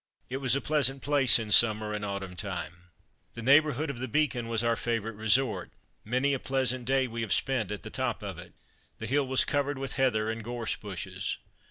It was a pleasant place in summer and autumn time. The neighbourhood of the Beacon was our favourite resort. Many a pleasant day we have spent at the top of it. The hill was covered with heather and gorse bushes.